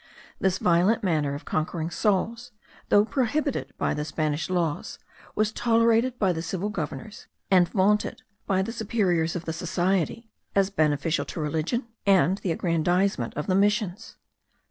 This violent manner of conquering souls, though prohibited by the Spanish laws, was tolerated by the civil governors, and vaunted by the superiors of the society, as beneficial to religion, and the aggrandizement of the Missions.